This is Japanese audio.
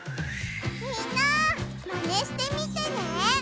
みんなマネしてみてね！